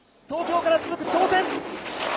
東京から続く挑戦。